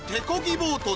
ボートで